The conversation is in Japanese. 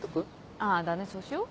あだねそうしよう。